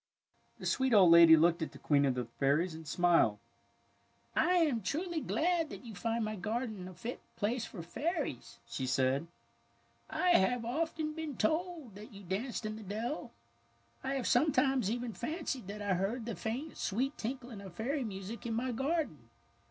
The sweet old lady looked at the Queen of the Fairies and smiled. ^^ I am truly glad that you find my garden a fit place for fairies," she said. " 1 have often been told that you danced in the dell. I have sometimes even fancied that I heard the faint, sweet tinkling of fairy music in my garden.